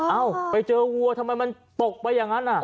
เอ้าไปเจอวัวทำไมมันตกไปอย่างนั้น